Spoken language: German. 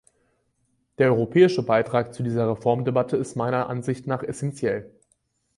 Der europäische Beitrag zu dieser Reformdebatte ist meiner Ansicht nach essentiell.